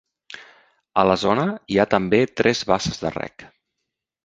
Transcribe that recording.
A la zona hi ha també tres basses de reg.